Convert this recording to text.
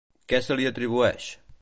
Què se li atribueix?